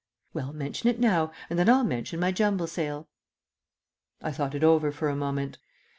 "Well, mention it now, and then I'll mention my jumble sale." I thought it over for a moment.